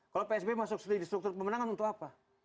kalau pak sb masuk di struktur pemenangan untuk apa